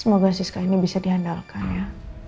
semoga sis ka ini bisa diandalkan ya